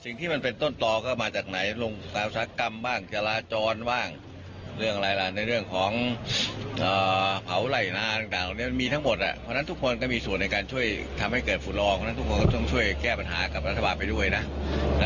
นอกจากจะให้สัมภาษณ์สื่อบริษัท